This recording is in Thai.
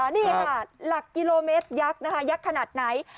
นี่ลักษณ์กิโลเมตรยักษณ์นะคะยักษณ์ขนาดไหน